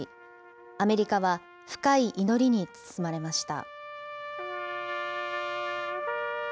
アメリカは深い祈りに包まれました。